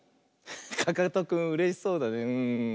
かかとくんうれしそうだねうん。